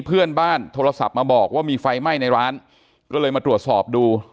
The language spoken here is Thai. เพื่อนบ้านโทรศัพท์มาบอกว่ามีไฟไหม้ในร้านก็เลยมาตรวจสอบดู